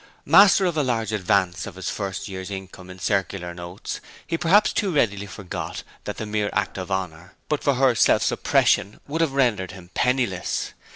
Master of a large advance of his first year's income in circular notes, he perhaps too readily forgot that the mere act of honour, but for her self suppression, would have rendered him penniless.